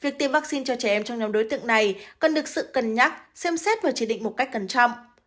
việc tiêm vaccine cho trẻ em trong nhóm đối tượng này cần được sự cân nhắc xem xét và chỉ định một cách cẩn trọng